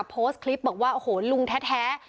โพสต์คลิปบอกว่าโอ้โหลุงแท้